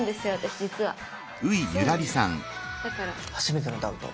初めてのダウト？